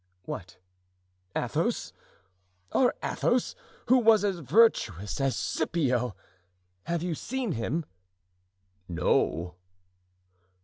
"What, Athos? Our Athos, who was as virtuous as Scipio? Have you seen him? "No."